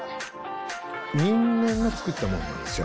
人間が作ったものなんですよ。